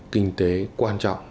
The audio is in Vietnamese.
kinh tế quan trọng